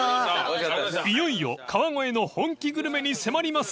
［いよいよ川越の本気グルメに迫ります！